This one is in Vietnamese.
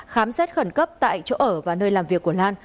khám xét khẩn cấp tại chỗ ở và nơi làm việc của lan